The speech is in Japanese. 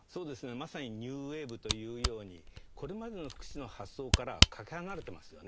まさにニューウェーブというようにこれまでの福祉の発想からかけ離れてますよね。